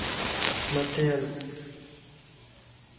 مٿي ھل